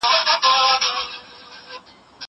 که وخت وي، کتابتون ته ځم!!